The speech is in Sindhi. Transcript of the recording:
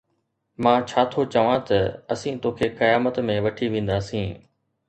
مان ڇا ٿو چوان ته ”اسين توکي قيامت ۾ وٺي وينداسين“.